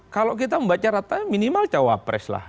kalau kita membaca rata minimal cawapres lah